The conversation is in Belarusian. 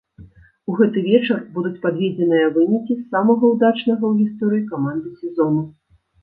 У гэты вечар будуць падведзеныя вынікі самага ўдачнага ў гісторыі каманды сезону.